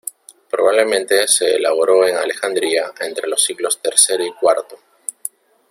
Probablemente se elaboró en Alejandría, entre los siglos tercero y cuarto.